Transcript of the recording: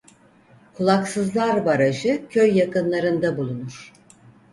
Kulaksızlar Barajı köy yakınlarında bulunur.